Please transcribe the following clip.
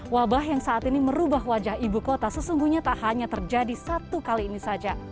wabah yang saat ini merubah wajah ibu kota sesungguhnya tak hanya terjadi satu kali ini saja